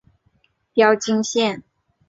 标津线。